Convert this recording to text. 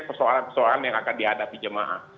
persoalan persoalan yang akan dihadapi jemaah